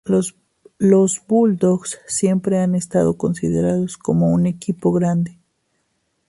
Los Bulldogs siempre han estado considerados como un equipo grande.